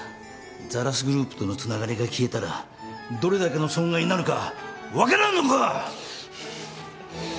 ザラスグループとのつながりが消えたらどれだけの損害になるか分からんのか！